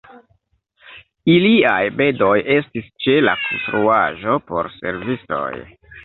Iliaj bedoj estis ĉe la konstruaĵo por servistoj.